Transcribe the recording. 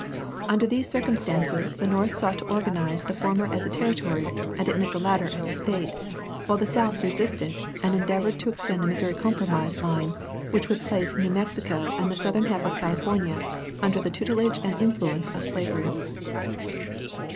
Under these circumstances the North sought to organize the former as a Territory, and admit the latter as a State, while the South resisted and endeavored to extend the Missouri Compromise line, which would place New Mexico and the southern half of California under the tutelage and influence of slavery.